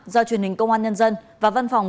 do truyền hình công an nhân dân và văn phòng